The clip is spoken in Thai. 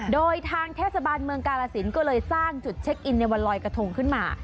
โดยทางเทศบาลเมืองกาลสินก็เลยสร้างจุดเช็คอินในวันลอยกระทงขึ้นมา